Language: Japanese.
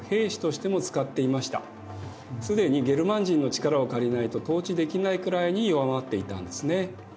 既にゲルマン人の力を借りないと統治できないくらいに弱まっていたんですね。